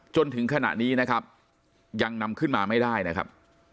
จนถึงขณะนี้นะครับยังนำขึ้นมาไม่ได้นะครับ